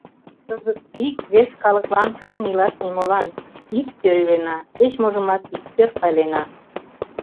Кызыт ик-вес калыклан сырен илаш нимолан: иктӧр илена, кеч-можымат иктӧр пайлена...